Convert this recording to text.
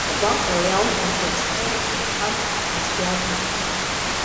Агәаҟра иалҵыз, аԥсра иацәынхаз аӡәы иакәын.